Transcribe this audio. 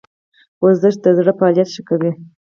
ورزش د زړه فعالیت ښه کوي